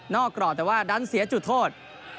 กรอบแต่ว่าดันเสียจุดโทษ